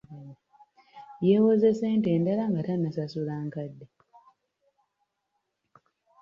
Yeewoze ssente endala nga tannasasula nkadde.